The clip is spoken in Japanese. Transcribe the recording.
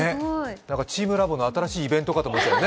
チームラボの新しいイベントかと思ったよね。